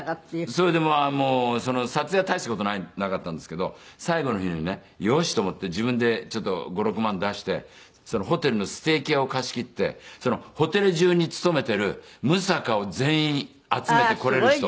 それでもうその撮影は大した事なかったんですけど最後の日にね「よし」と思って自分でちょっと５６万出してそのホテルのステーキ屋を貸し切ってそのホテル中に勤めてるムサカを全員集めて来れる人。